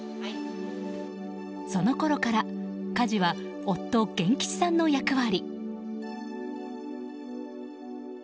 そのころから家事は夫、元吉さんの役割。